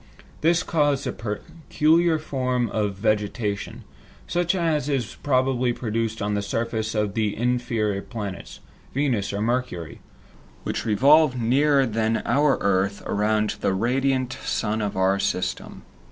This caused a peculiar form of vegetation, such as is probably produced on the surface of the inferior planets, Venus or Mercury, which revolve nearer than our earth around the radiant sun of our system.